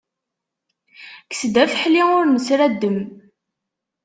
Kkes-d afeḥli ur nesraddem.